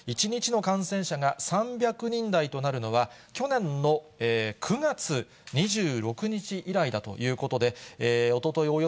１日の感染者が３００人台となるのは、去年の９月２６日以来だということで、おととい